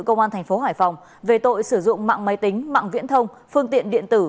công an tp hải phòng về tội sử dụng mạng máy tính mạng viễn thông phương tiện điện tử